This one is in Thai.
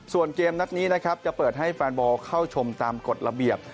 ส่วนเกมนัดนี้นะครับจะเปิดให้แฟนบอลเข้าชมตามกฎระเบียบ